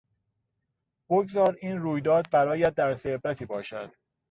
بگذار این رویداد برایت درس عبرتی باشد!